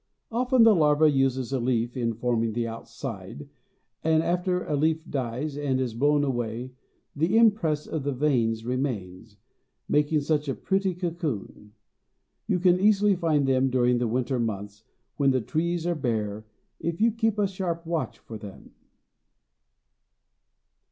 Often the larva uses a leaf in forming the outside, and after a leaf dies and is blown away the impress of the veins remains, making such a pretty cocoon. You can easily find them during the winter months, when the trees are bare, if you keep a sharp watch for them.